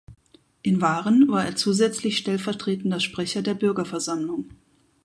In Waren war er zusätzlich stellvertretender Sprecher der Bürgerversammlung.